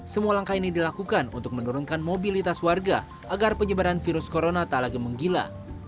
semua langkah ini dilakukan untuk menurunkan mobilitas warga agar penyebaran virus corona tak lagi menggila